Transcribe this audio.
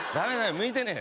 向いてねえ。